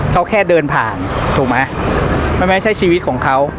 เขาแค่เดินผ่านถูกไหมมันไม่ใช่ชีวิตของเขา